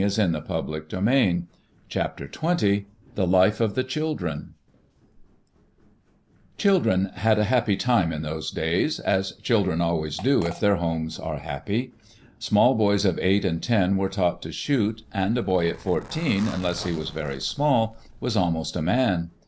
^, Digitized by VjOOQ IC CHAPTER XX THE LIFE OF THE CHILDREN CHILDREN had a happy time in those days, as chil dren always do if their homes are happy. Small boys of eight and ten were taught to shoot and a boy at fourteen, unless he was very small, was almost a man.